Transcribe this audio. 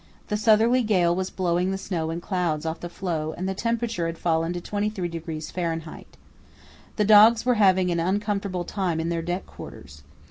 The southerly gale was blowing the snow in clouds off the floe and the temperature had fallen to 23° Fahr. The dogs were having an uncomfortable time in their deck quarters.